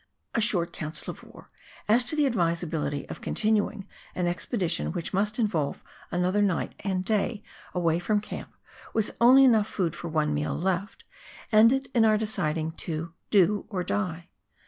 A short council of war, as to the advisability of continuing an expedition which must involve another night and day away from camp, with only enough food for one meal left, ended in our deciding to " do or die."